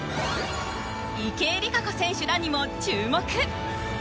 池江璃花子選手らにも注目！